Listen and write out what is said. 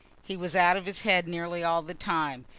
He was out of his head nearly all the time.